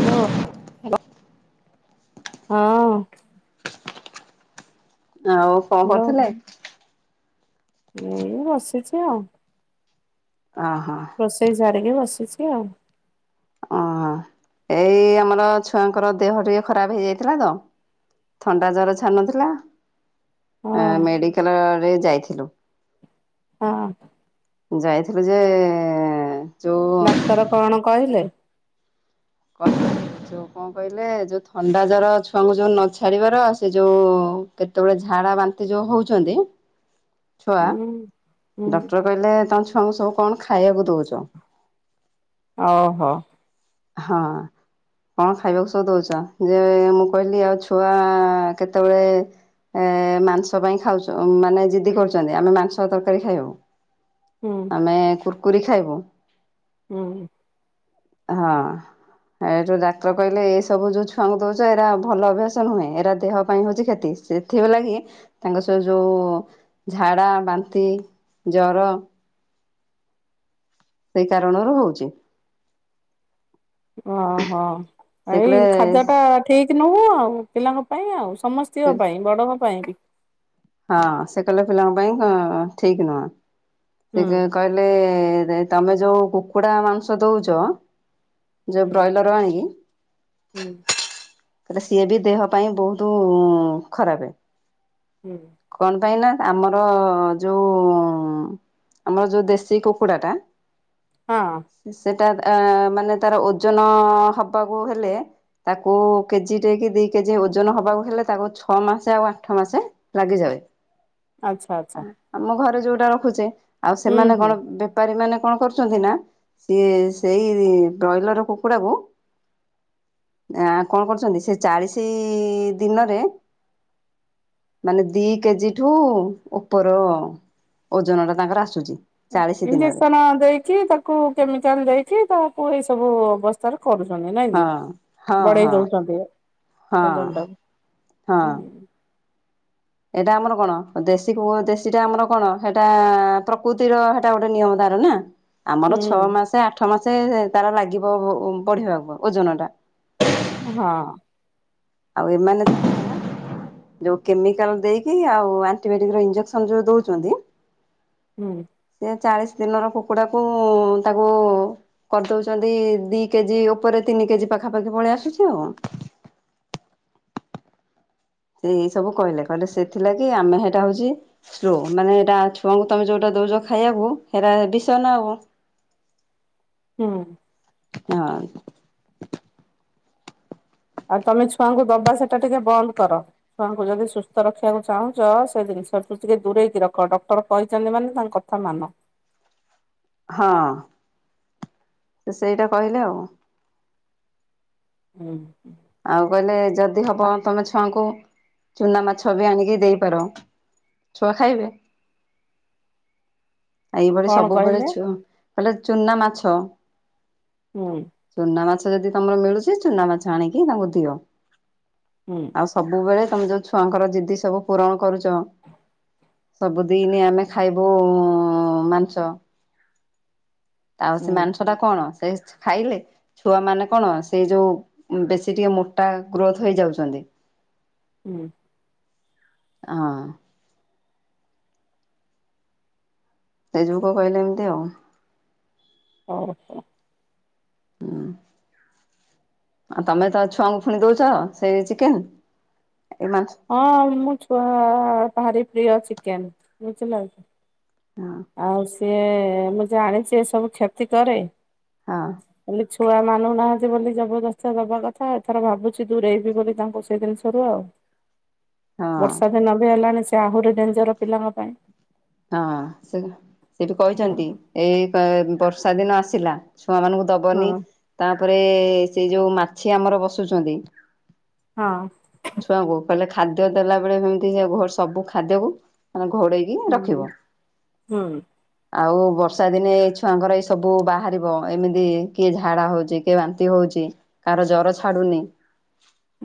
Hello? Hello? ହଁ। ଆଉ କଣ ହ୍ୟାଲୋ କରୁଥିଲେ? ଏଇ ବସିଛି ଆଉ। ଅ ହଁ। ରୋଷେଇ ସାରିକି ବସିଛି ଆଉ। ଓହୋଃ, ଏଇ ଆମର ଛୁଆଙ୍କର ଦେହ ଟିକେ ଖରାପ ହେଇ ଯାଇଥିଲା ତ। ଥଣ୍ଡା ଜର ଛାଡ଼ୁ ନଥିଲା। ହଁ ମେଡ଼ିକାଲ ରେ ଯାଇଥିଲୁ। ହଁ। ଯାଇଥିଲୁ ଯେ ଯୋଉ ଡାକ୍ତର କଣ କହିଲେ? କହି ଯୋଉ କଣ କହିଲେ ଯୋଉ ଥଣ୍ଡା ଜର ଛୁଆଙ୍କୁ ଯୋଉ ନ ଛାଡିବାର ସେ ଯୋଉ ଯେତେବେଳେ ଝାଡ଼ା ବାନ୍ତି ଯୋଉ ହଉଛନ୍ତି। ଛୁଆ ହୁଁ ହୁଁ ଡକ୍ଟର କହିଲେ ତମ ଛୁଆଙ୍କୁ ସବୁ କଣ ଖାଇବାକୁ ଦଉଛ। ଓ ହୋ। ହଁ। କଣ ଖାଇବାକୁ ସବୁ ଦଉଛ ଯେ ମୁଁ କହିଲି ଆଉ ଛୁଆ କେତେବେଳେ ଏ ମାଂସ ପାଇଁ ଖାଉଛ ମାନେ ଜିଦି କରୁଛନ୍ତି ଆମେ ମାଂସ ତରକାରୀ ଖାଇବୁ। ହୁଁ। ଆମେ କୁରୁକୁରି ଖାଇବୁ। ହୁଁ। ହଁ। ଏଠୁ ଡାକ୍ତର କହିଲେ ଏ ସବୁ ଯୋଉ ଛୁଆଙ୍କୁ ଦଉଛ ଏରା ଭଲ ଅଭ୍ୟାସ ନୁହେଁ ଏରା ଦେହ ପାଇଁ ହଉଛି କ୍ଷତି ସେ ସେଥି ଲାଗି ତାଙ୍କ ସେ ଯୋଉ ଝାଡ଼ା, ବାନ୍ତି, ଜର ସେଇ କାରଣରୁ ହଉଛି। ଓ ହୋ ସେ ଏଇ କହିଲେ ଖାଦ୍ୟ ଟା ଠିକ୍ ନୁହଁ ଆଉ ପିଲାଙ୍କ ପାଇଁ ଆଉ ସମସ୍ତେ [unintelligible] ପାଇଁ ବଡ଼ଙ୍କ ପାଇଁ। ହଁ ସେ କହିଲେ ପିଲାଙ୍କ ପାଇଁ ଠିକ୍ ନୁହଁ ସେ ହୁଁ କହି କହିଲେ ଲେ ତମେ ଯୋଉ କୁକୁଡା ମାଂସ ଦଉଛ। ଯୋଉ ହୁଁ ବ୍ରଏଲର ଆଣିକି। ହୁଁ। ସିଏ ବି ଦେହ ପାଇଁ ବହୁତ୍ ଖରାପ। ହୁଁ। କଣ ପାଇଁ ନା ଆମର ଯୋଉ ଆମର ଯୋଉ ଦେଶୀ କୁକୁଡ଼ା ଟା ହଁ। ସେଟା ଆ ମାନେ ତାର ଓଜନ ହବାକୁ ହେଲେ ତାକୁ କେଜି ଟେ କି ଦି କେଜି ଓଜନ ହବାକୁ ହେଲେ ତାକୁ ଛଅ ମାସେ ଆଉ ଆଠ ମାସେ ଲାଗିଯାଏ। ଆଚ୍ଛା ଆଚ୍ଛା। ଆମ ଘରେ ଯୋଉଟା ରଖୁଛେ ଆଉ ହୁଁ ସେମାନେ ହୁଁ କଣ ବେ ବେପାରୀ ମାନେ କଣ କରୁଛନ୍ତି ନା ସିଏ ସେଇ ବ୍ରଏଲର କୁକୁଡ଼ା କୁ ଆଁ କଣ କରୁଛନ୍ତି ସେ ଚାଳିଶି ଦିନରେ ମାନେ ଦି କେଜି ଠୁ ଉପର ଓଜନ ଟା ତାଙ୍କର ଆସୁଛି। ଚାଳିଶ ଦିନରେ ଇଞ୍ଜେକ୍ସନ ଦେଇକି ତାକୁ କେମିକାଲ ଦେଇକି ତାକୁ ଏଇ ସବୁ ତାର କରୁଛନ୍ତି ନାଇଁ ହଁ କି ହଁ ବଢ଼େଇ ହଁ ଦଉଛନ୍ତି ହଁ ଓଜନଟାକୁ। ହଁ ହୁଁ। ଏଇଟା ଆମର କଣ ଦେଶୀ କୁ ଦେଶୀଟା ଆମର କଣ ସେଇଟା ପ୍ରକୃତିର ହେଇଟା ଗୋଟେ ନିୟମ ତାର ନା। ଆମର ଛଅ ହୁଁ ମାସେ ଆଠ ମାସେ ତାର ଲାଗିବ ବଢ଼ିବାକୁ ଓଜନ ଟା। ହଁ। ଆଉ ଏମାନେ ଯୋଉ କେମିକାଲ ଦେଇକି ଆଉ ଆଣ୍ଟିବାଟିକ ଇଞ୍ଜେକସନ୍ ଯୋଉ ଦଉଚନ୍ତି। ହୁଁ। ସେ ଚାଳିଶ ଦିନର କୁକୁଡ଼ା କୁ ତାକୁ କରିଦଉଛନ୍ତି ଦି କେଜି ଉପରେ ତିନି କେଜି ପାଖାପାଖି ପଳେଇ ଆସୁଛି ଆଉ। ସେ ଏଇ ସବୁ କହିଲେ କହିଲେ ସେଥିଲାଗି ଆମେ ସେଇଟା ହଉଛି ସ୍ଲୋ, ମାନେ ହେଇଟା ଛୁଆଙ୍କୁ ତମେ ଯୋଉଟା ଦଉଛ ଖାଇବାକୁ ହେଇରା ବିଷୟ ନା ଆଉ। ହୁଁ। [inaudible] ଆଉ ତମେ ଛୁଆଙ୍କୁ ଦବା ସେଟା ଟିକେ ବନ୍ଦ କର। ଛୁଆଙ୍କୁ ଯଦି ସୁସ୍ଥ ରଖିବାକୁ ଚାହୁଁଛ ସେ ଜିନିଷଠୁ ଟିକେ ଦୂରେଇକି ରଖ। ଡକ୍ଟର କହିଛନ୍ତି ମାନେ ତାଙ୍କ କଥା କଥା ମାନ। ହଁ, ସେ ସେଇଟା କହିଲେ ଆଉ। ହୁଁ। ଆଉ କହିଲେ, ଯଦି ହବ ତମେ ଛୁଆଙ୍କୁ ଚୁନା ମାଛ ବି ଆଣିକି ଦେଇପାର। ଛୁଆ ଖାଇବେ। ଏଇଭଳି କଣ ସବୁବେଳେ କହିଲେ ଛୁ କହିଲେ ଚୁନା ମାଛ। ହୁଁ। ଚୁନା ମାଛ ଯଦି ତମର ମିଳୁଛି ଚୁନା ମାଛ ଆଣିକି ତାଙ୍କୁ ଦିଅ। ହୁଁ। ଆଉ ସବୁବେଳେ ତମେ ଯୋଉ ଛୁଆଙ୍କର ଜିଦି ସବୁ ପୂରଣ କରୁଛ। ସବୁଦିନି ଆମେ ଖାଇବୁ ମାଂସ। ଆଉ ସେ ହୁଁ ମାଂସ ଟା କଣ [unintelligible] ଖାଇଲେ। ଛୁଆ ମାନେ କଣ ସେଇ ଯୋଉ ବେଶୀ ଟିକେ ମୋଟା ଗ୍ରୋଥ ହେଇଯାଉଛନ୍ତି। ହୁଁ। ହଁ। ସେଇଯୋଗୁ କହିଲେ ଏମିତି ଆଉ। [inaudible] ହୁଁ। ଆଉ ତମେ ତମ ଛୁଆଙ୍କୁ ଫୁଣି ଦଉଛ ସେଇ ଚିକେନ ଏ ମାଂସ। ହଁ ମୋ ଛୁଆ ଭାରି ପ୍ରିୟ ଚିକେନ ବୁଝିଲକି। ହଁ। ଆଉ ସିଏ ମୁଁ ଜାଣିଛି ଏ ସବୁ କ୍ଷତି କରେ। ହଁ। ଖାଲି ଛୁଆ ମାନୁନାହାନ୍ତି ବୋଲି ଜବରଦସ୍ତିଆ ଦବା କଥା। ଏଥର ଭାବୁଛି ଦୁରେଇବି ବୋଲି ତାଙ୍କୁ ସେଇ ଜିନିଷରୁ ଆଉ। ହଁ ବର୍ଷା ଦିନ ବି ହେଲାଣି ସେ ଆହୁରି ଡେଞ୍ଜର ପିଲାଙ୍କ ପାଇଁ। ହଁ ସେ ସେଠି କହିଛନ୍ତି ଏଇ ବର୍ଷା ଦିନ ଆସିଲା ଛୁଆ ମାନଙ୍କୁ ଦବନି। ହଁ ତାପରେ ସେ ଯୋଉ ମାଛି ଆମର ବସୁଛନ୍ତି। ହଁ। ଛୁଆଙ୍କୁ କହିଲେ ଖାଦ୍ୟ ଦେଲା ବେଳେ ଯେମିତି ସବୁ ଖାଦ୍ୟକୁ ଘୋଡେଇକି ରଖି ହୁଁ ରଖିବ। ହୁଁ ଆଉ ବର୍ଷା ଦିନେ ଏଇ ଛୁଆଙ୍କର ଏଇ ସବୁ ବାହାରିବ ଏମିତି କିଏ ଝାଡା ହଉଛି। କିଏ ବାନ୍ତି ହଉଛି, କାହାର ଜ୍ଵର ଛାଡୁନି।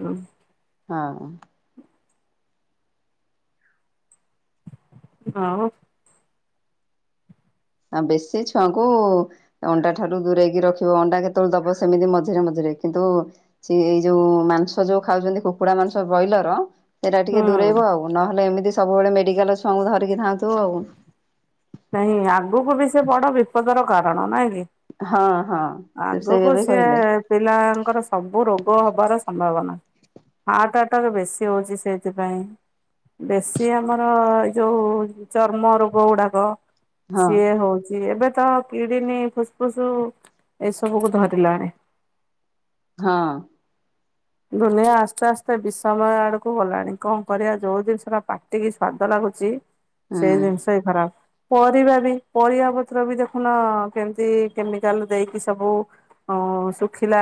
ହୁଁ ହଁ। ଆଉ। ଆଉ ବେଶୀ ଛୁଆଙ୍କୁ ଅଣ୍ଡା ଠାରୁ ଦୂରେଇକି ରଖିବ ଅଣ୍ଡା କେତେବେଳେ ଦବ ସେମିତି ମଝିରେ ମଝିରେ। କିନ୍ତୁ ସେ ଏଇ ଯୋଉ ମାଂସ ଯୋଉ ଖାଉଛନ୍ତି କୁକୁଡା ମାଂସ ବଏଲର। ଏରା ଟିକେ ହୁଁ ଦୂରେଇବ ଆଉ, ନହେଲେ ଏମିତି ସବୁବେଳେ ମେଡିକାଲ୍ ଛୁଆଙ୍କୁ ଧରିକି ଧାଉଁଥିବ ଆଉ। ନାଇଁ ଆଗକୁ ବି ସେ ବଡ ବିପଦର କାରଣ ନା କି? ହଁ ହଁ ସେ ସେଇଆ ଆଗକୁ ବି ସିଏ କହିଲେ ପିଲାଙ୍କର ସବୁ ରୋଗ ହବାର ସମ୍ଭାବନା। ହାର୍ଟ ଆଟାକ୍ ବେଶୀ ହଉଛି ସେଇଥିପାଇଁ। ବେଶୀ ଆମର ଏଇ ଯୋଉ ଚର୍ମ ରୋଗ ଗୁଡ଼ାକ ହଁ ସିଏ ହଉଛି ଏବେ ତ କିଡିନି, ଫୁସଫୁସ୍ ଏସବୁକୁୁ ଧରିଲାଣି। ହଁ। ଦୁନିଆ ଆସ୍ତେ ଆସ୍ତେ ବିଷମୟ ଆଡକୁ ଗଲାଣି କଣ କରିବା ଯୋଉ ଜିନିଷଟା ପା ଟିକେ ସ୍ଵାଦ ଲାଗୁଛି ସେଇ ହୁଁ ଜିନିଷ ହିଁ ଖରାପ। ପରିବା ବି ପରିବା ପତ୍ର ବି ଦେଖୁନ କେମିତି କେମିକାଲ ଦେଇକି ସବୁ ହଁ, ଶୁଖିଲା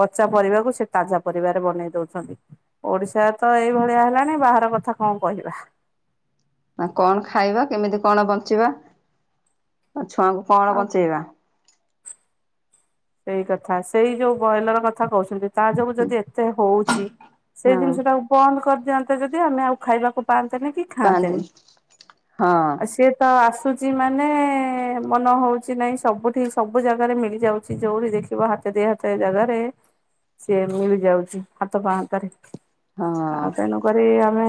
ପଚା ପରିବାକୁ ସେ ତାଜା ପରିବାରେ ବନେଇ ଦଉଛନ୍ତି ଓଡିଶା ତ ଏଇଭଳିଆ ହେଲାଣି ବାହାର କଥା କଣ କହିବା। ନା କଣ ଖାଇବା, କେମିତି କଣ ବଞ୍ଚିବା, ଆଉ ଛୁଆଙ୍କୁ କଣ ଆଉ। ବଞ୍ଚେଇବା। ସେଇ କଥା ସେଇ ଯୋଉ ବଇଲର କଥା କହୁଛନ୍ତି ତା ଯୋଗୁ ଯଦି ଏତେ ହଉଛି ହଁ ସେଇ ଜିନିଷ ଟାକୁ ବନ୍ଦ କରିଦିଅ ଯଦି ଆମେ ଆଉ ଖାଇବାକୁ ପାଆନ୍ତେନି କି ଖାଆନ୍ତେନି, ପାଆନ୍ତିନି ହଁ ଆଉ ସେ ତ ଆସୁଛି ମାନେ ମନ ହଉଛି ନାଇଁ ସବୁଠି ସବୁ ଜାଗାରେ ମିଳିଯାଉ କିଛି ଜୋଉ ବି ଦେଖିବ ହାତେ ଦି ହାତେ ଜାଗାରେ ସିଏ ମିଳିଯାଉଛି ହାତ ପାହାନ୍ତାରେ ହଁ ଆଉ ତେଣୁକରି ଆମେ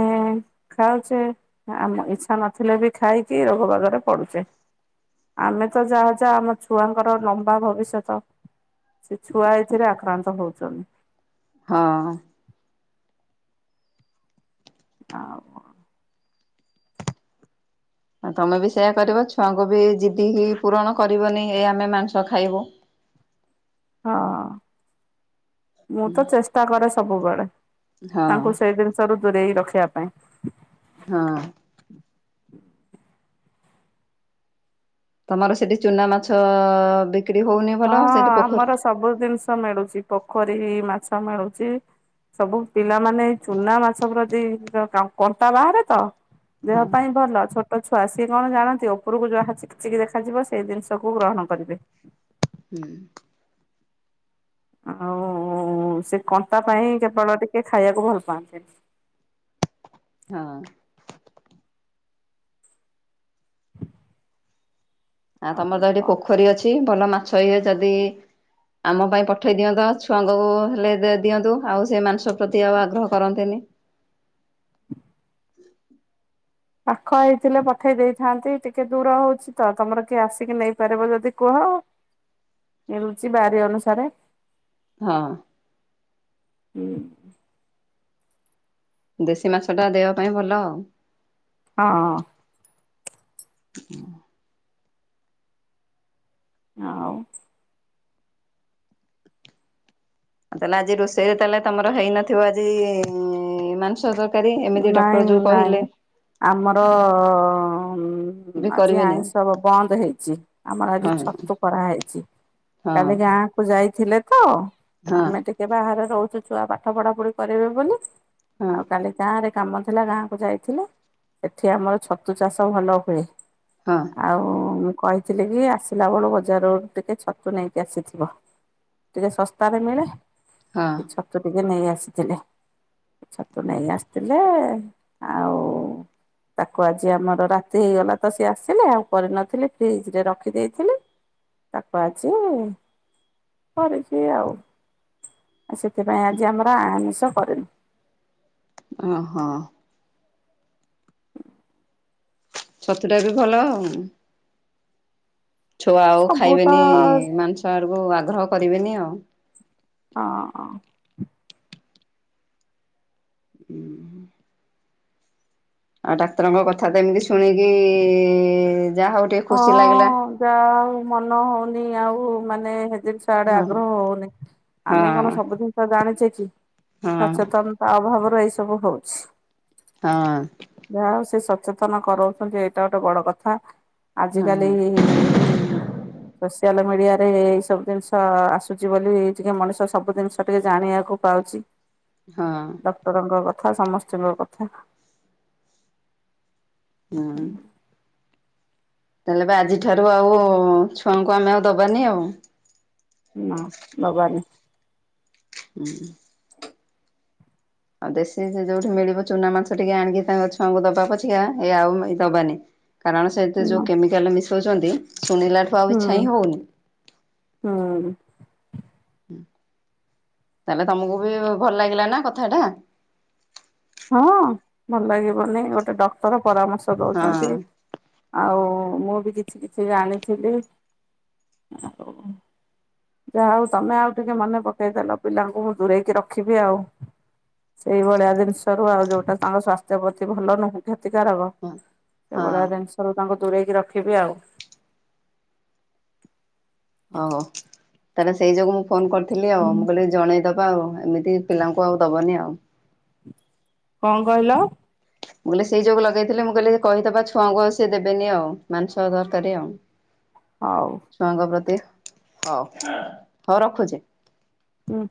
ଖାଉଛେ ଆମ ଇଛା ନଥିଲେ ବି ଖାଇକି ରୋଗ ବାଗରେ ପଡ଼ୁଛେ। ଆମେ ତ ଯାହା ଯାହା ଆମ ଛୁଆଙ୍କର ଲମ୍ବା ଭବିଷ୍ୟତ ତ ସେ ଛୁଆ ଏଥିରେ ଆକ୍ରାନ୍ତ ହଉଛନ୍ତି। ହଁ। [unintelligible] ଆଉ ତମେ ବି ସେଇୟା କରିବ ଛୁଆଙ୍କୁ ବି ଜିଦି ହି ପୂରଣ କରିବନି ଏଇ ଆମେ ମାଂସ ଖାଇବୁ। ହଁ, ମୁଁ ତ ଚେଷ୍ଟା କରେ ସବୁବେଳେ ହଁ ତାଙ୍କୁ ସେଇଦିନ ରୁ ଦୂରେଇ ରଖିବା ପାଇଁ। ହଁ। ତମର ସେଠି ଚୁନାମାଛ ବି କ୍ରି ହଉନି ହଁ, ଭଲ ସେଇଠି ପୋଖରୀ ଆମର ସବୁ ଜିନିଷ ମିଳୁଛି ପୋଖରୀରେ ମାଛ ମିଳୁଛି। ସବୁ ପିଲାମାନେ ଚୁନାମାଛ ପ୍ରତି କଣ୍ଟା ବାହାରେ ତ ଦେହ ହଁ ପାଇଁ ଭଲ। ଛୋ ଛୋଟ ଛୁଆ ସିଏ କଣ ଜାଣନ୍ତି ଉପରକୁ ଯାହା ଚିକ୍ ଚିକ୍ ଦେଖାଯିବ ସେଇ ଜିନିଷକୁ ଗ୍ରହଣ କରିବେ। ହୁଁ। ଆଉ ସେ କଣ୍ଟା ପାଇଁ କେବଳ ଟିକେ ଖାଇବାକୁ ଭଲ ପାଆନ୍ତିନି। ହଁ। ଆଉ ତମର ତ ଏଠି ପୋଖରୀ ଅଛି ଭଲ ମାଛ ଇଏ ଯଦି ଆମ ପାଇଁ ପଠେଇ ଦିଅନ୍ତ ଛୁଆଙ୍କୁ ହେଲେ ଦିଅନ୍ତୁ ଆଉ ସେ ମାଂସ ପ୍ରତି ଆଉ ଆଗ୍ରହ କରନ୍ତେନି। ପାଖ ହେଇଥିଲେ ପଠେଇ ଦେଇଥାନ୍ତି ଟିକେ ଦୂର ହଉଛି ତ ତମର କିଏ ଆସିକି ନେଇପାରିବ ଯଦି କୁହ [inaudible] ମିଳୁଛି ବାରି ଅନୁସାରେ ହଁ। ହୁଁ। ଦେଶୀ ମାଛ ଟା ଦେବା ପାଇଁ ଭଲ ଆଉ। ହଁ। ହୁଁ ଆଉ। ଆଉ ତାହେଲେ ଆଜି ରୋଷେଇରେ ତାହେଲେ ତମର ହେଇନଥିବ ଆଜି ମାଂସ ତ ନାଇଁ ନାଇଁ। ଆମର ବି ଆଜି କରିବେନି ଆଉ ଆଇଁଷ ବ ବନ୍ଦ ହେଇଛି। ଆମର ଆଜି ଛତୁ କରା ହେଇଚି ହଁ କାଲି ଗାଁ ଯାଇଥିଲେ ତ ହଁ ହଁ ଆମେ ଟିକେ ବାହାରେ ରହୁଚୁ ଛୁଆ ପାଠ ପଢା ପଢି କରିବେ ବୋଲି। ହଁ ଆଉ କାଲି ଗାଁରେ କାମ ଥିଲା ଗାଁକୁ ଯାଇଥିଲେ ସେଠି ଆମର ଛତୁ ଚାଷ ଭଲ ହୁଏ। ହଁ। ଆଉ ମୁଁ କହିଥିଲି କି ଆସିଲା ବୁଳୁ ବଜାରରୁ ଟିକେ ଛତୁ ନେଇକି ଆସିଥିବ। ଟିକେ ଶସ୍ତା ରେ ମିଳେ। ହଁ। ସେ ଛତୁ ଟିକେ ନେଇ ଆସିଥିଲେ ଛତୁ ନେଇ ଆସ୍ ଥିଲେ ଆଉ ତାକୁ ଆଜି ଆମର ରାତି ହେଇଗଲା ତ ସିଏ ଆସିଲେ ଆଉ କରିନଥିଲେ ଫ୍ରିଜରେ ରଖିଦେଇଥିଲେ। ତାକୁ ଆଜି କରିଚି ଆଉ। ସେଥିପାଇଁ ଆଜି ଆମର ଆ ଆମିଷ କରିନୁ। ଓହୋ ଛତୁଟା ବି ଭଲ ଆଉ। ଛୁଆ ଆଉ ସବୁ ତ ଖାଇବେନି ମାଂସ ଆଡ଼କୁ ଆଗ୍ରହ କରିବେନି ଆଉ। ହଁ। ଉଁ ହୁଁ ଆଉ ଡାକ୍ତରଙ୍କ କଥା ତ ଏମିତି ଶୁଣିକି ଯା ହଉ ଟିକେ ହଁ ଖୁସି ଲାଗିଲା। ଯା ଅ ମନ ହଉନି ଆଉ ମାନେ ହେ [unintelligible] ତାଆଡେ ହଁ ଆଗ୍ରହ ହଉନି ଆମେ କଣ ହଁ ସବୁ ଜିନିଷ ଜାଣିଛେ କି ହଁ ସଚେତନ ତା ଅଭାବରେ ଏଇ ସବୁ ହଉଛି। ହଁ। ଯାହା ହଉ ସେ ସଚେତନ କରଉଛନ୍ତି ଏଇଟା ଗୋଟେ ବଡ କଥା। ହଁ ଆଜିିକାଲି ଉଁ ଉଁ ସୋସିଆଲ ମିଡିଆ ରେ ଏଇ ସବୁ ଜିନିଷ ଆସୁଚି ବୋଲି ଟିକେ ମଣିଷ ସବୁ ଜିନିଷ ଟିକେ ଜାଣିବାକୁ ପାଉଛି। ହଁ। ଡକ୍ଟରଙ୍କ କଥା ସମସ୍ତିଙ୍କ କଥା। ହଁ। ତାହେଲେ ବା ଆଜି ଠାରୁ ଆଉ ଛୁଆଙ୍କୁ ଆମେ ଆଉ ଦବାନି ଆଉ। ନା ଦବାନି। ହୁଁ। ଆଉ ଦେଶୀ ଯୋଉଠି ମିଳିବ ଚୁନା ମାଂସ ଟିକେ ଆଣିକି ତାଙ୍କ ଛୁଆଙ୍କୁ ଦବା ପଛିକା ଏ ଆଉ ଏ ଦବାନି। କାରଣ ସେଇଥେ ଯୋଉ ହୁଁ କେମିକାଲ ମିଶଉଚନ୍ତି ଶୁଣିଲା ହୁଁ ହୁଁ। ତାହେଲେ ତମକୁ ବି ଭଲ ଲାଗିଲା ନା କଥା ଟା। ହଁ ଭଲ ଲାଗିବନି ଗୋଟେ ଡକ୍ଟର ପରାମର୍ଶ ଦଉଚନ୍ତି। ଆଉ ମୁଁ ବି କିଛି କିଛି ଜାଣିଥିଲି ଆଉ ଯା ହଉ ତମେ ଆଉ ଟିକେ ମନେ ପକେଇଦେଲ ପିଲାଙ୍କୁ ମୁ ଦୂରେଇକି ରଖିବି ଆଉ। ସେଇଭଳିଆ ଜିନିଷ ରୁ ଆଉ ଯୋଉଟା ତାଙ୍କ ସ୍ୱାସ୍ଥ୍ୟ ପ୍ରତି ଭଲ ନୁହଁ କ୍ଷତିକାରକ ହଁ ଏ ହଁ। ଭଳିଆ ଜିନିଷରୁୁ ତାଙ୍କୁ ଦୂରେଇକି ରଖିବେ ଆଉ। ଓଉହୋ ତାହେଲେ ସେଇ ଯୋଗୁ ମୁଁ ଫୋନ କରିଥିଲି ଆଉ ମୁଁ କହିଲି ଜଣେଇଦବ ହ ଆଉ ଏମିତି ପିଲାଙ୍କୁ ଆଉ ଦବନି ଆଉ। କଅଁ କହିଲ? ମୁଁ କହିଲି ସେଇ ଯଉ ଲଗେଇଥିଲି ମୁଁ କହିଲି କହିଦବା ଛୁଆଙ୍କୁ ଆଉ ସେ ଦେବନି ଆଉ ମାଂସ ଦରକାରୀ ଆଉ। ହଉ। ଛୁଆଙ୍କ ପ୍ରତି ହଉ ହଉ ରଖୁଛି। ହୁଁ।